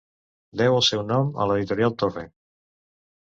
Deu el seu nom a l'editorial Torre.